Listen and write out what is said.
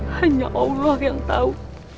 hanya allah yang tau